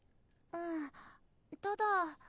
うんただ。